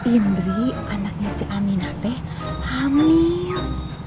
indri anaknya ciaminate hamil